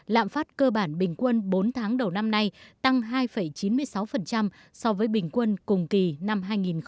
lạm phát cơ bản bình quân bốn tháng đầu năm nay tăng hai chín mươi sáu so với bình quân cùng kỳ năm hai nghìn một mươi tám